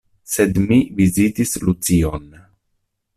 Sed mi vizitis Lucion.